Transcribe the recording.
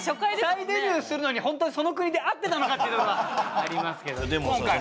再デビューするのに本当にその国で合ってたのかっていうところがありますけど今回。